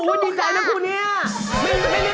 คุณบ้านเดียวกันแค่มองตากันก็เข้าใจอยู่